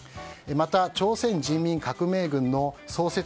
また朝鮮人民革命軍の創設